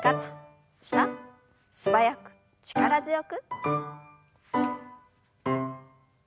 素早く力強く。